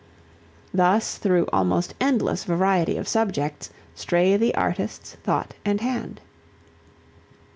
Thus through almost endless variety of subjects stray the artist's thought and hand.